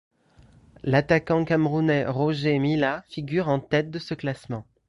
L'attaquant camerounais Roger Milla figure en tête de ce classement.